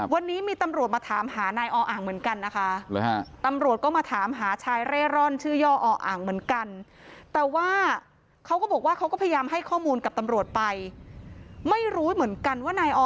วันนี้มีตำรวจมาถามหานายออ่างเหมือนกันนะคะ